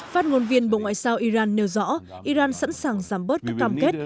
phát ngôn viên bộ ngoại giao iran nêu rõ iran sẵn sàng giảm bớt các cam kết